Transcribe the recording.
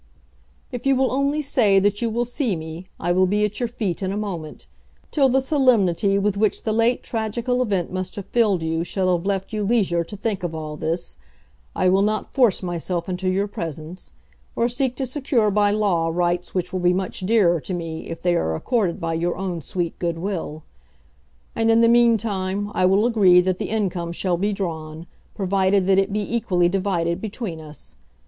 If you will only say that you will see me, I will be at your feet in a moment. Till the solemnity with which the late tragical event must have filled you shall have left you leisure to think of all this, I will not force myself into your presence, or seek to secure by law rights which will be much dearer to me if they are accorded by your own sweet goodwill. And in the meantime, I will agree that the income shall be drawn, provided that it be equally divided between us.